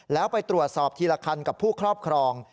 แล้วไปตรวจสอบทีละคันกับผู้ครอบครอง